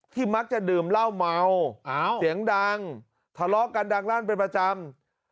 มักจะดื่มเหล้าเมาเสียงดังทะเลาะกันดังลั่นเป็นประจำ